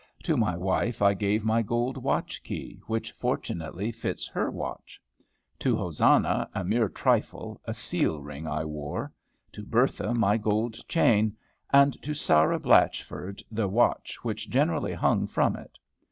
To my wife I gave my gold watch key, which fortunately fits her watch; to Hosanna, a mere trifle, a seal ring I wore; to Bertha, my gold chain; and to Sarah Blatchford, the watch which generally hung from it.